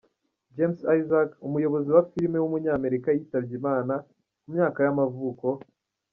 James Isaac, Umuyobozi wa filime w’umunyamerika yitabye Imana, ku myaka y’amavuko.